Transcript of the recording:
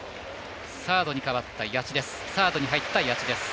サードに入った谷内です。